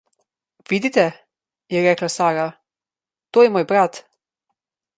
»Vidite,« je rekla Sara, »to je moj brat.«